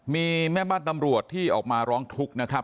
มีแม่บ้านตำรวจที่ออกมาร้องทุกข์นะครับ